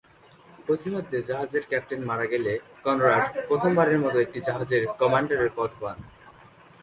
পথিমধ্যে জাহাজের ক্যাপ্টেন মারা গেলে কনরাড প্রথম বারের মত একটি জাহাজের কমান্ডারের দায়িত্ব পান।